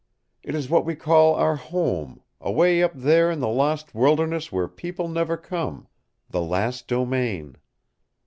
It is what we call our home, away up there in the lost wilderness where people never come the Last Domain.